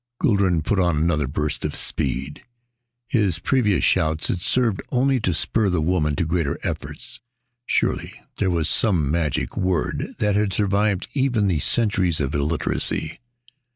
Guldran put on another burst of speed. His previous shouts had served only to spur the woman to greater efforts. Surely there was some magic word that had survived even the centuries of illiteracy.